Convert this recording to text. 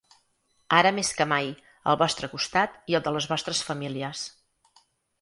Ara més que mai, al vostre costat i al de les vostres famílies.